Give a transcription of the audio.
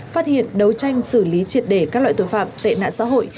phát hiện đấu tranh xử lý triệt để các loại tội phạm tệ nạn xã hội